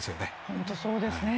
本当にそうですね。